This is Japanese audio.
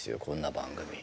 こんな番組。